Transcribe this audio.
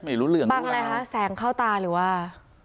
นี่คือบางอะไรคะแสงเข้าตาหรือว่า